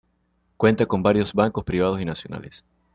Cuenta con varios bancos privados y nacionales.